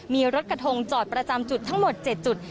มีรถกระทงจอดประจำจุดทั้งหมด๗จุด